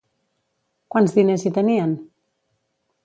Quants diners hi tenien?